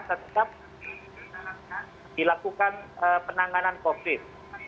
kita dilakukan penanganan covid